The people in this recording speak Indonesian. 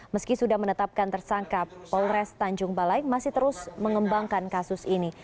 meski sudah menetapkan tersangka polres tanjung balai masih terus mengembangkan kasus ini